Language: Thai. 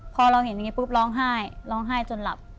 พอเราเห็นอย่างนี้ปุ๊บร้องไห้ร้องไห้จนหลับ